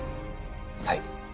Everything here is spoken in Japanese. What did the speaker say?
はい。